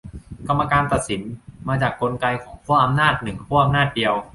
กรรมการตัดสิน มาจากกลไกของขั้วอำนาจหนึ่งขั้วอำนาจเดียว